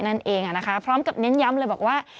นั่นเองนะคะพร้อมกับเน้นย้ำเลยบอกว่า